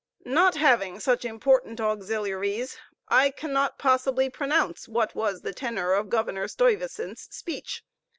Not having such important auxiliaries, I cannot possibly pronounce what was the tenor of Governor Stuyvesant's speech.